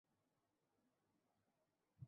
তখনই সে শ্বাসরুদ্ধকর কিছু একটা আবিষ্কার করে!